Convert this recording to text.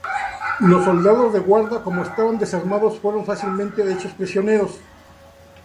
Los soldados de Guarda, como estaban desarmados, fueron fácilmente hechos prisioneros.